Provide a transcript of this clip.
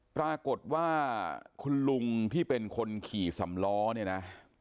ปรากฏว่าคุณลุงที่เป็นคนขี่สำล้อเนี่ยนะ